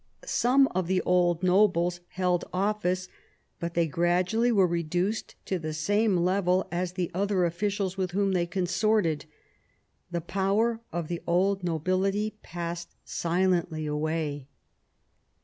Some of the old nobles held office, but they gradually were reduced to the same level as the other officials with whom they consorted. The power of the old nobility passed silently away.